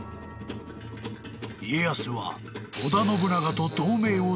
［家康は織田信長と同盟を締結］